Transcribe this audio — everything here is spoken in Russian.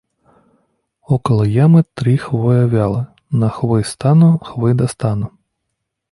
Около ямы три хвоя вялы: на хвой стану, хвой достану.